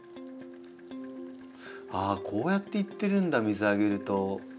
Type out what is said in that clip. こうやって行ってるんだ水あげると。